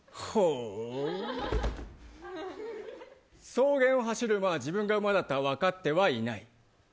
草原を走る馬は自分が馬だとは分かっていない。